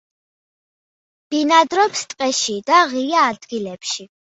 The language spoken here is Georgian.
ბინადრობს ტყეში და ღია ადგილებში.